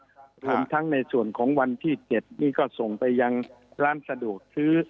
รวมทั้งในส่วนของวันที่๗นี่ก็ส่งไปยังร้านสะดวกซื้อ